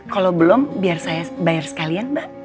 kalau belum biar saya bayar sekalian mbak